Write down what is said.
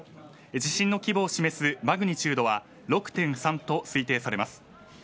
地震の規模を示すマグニチュードは６．３と推定されます。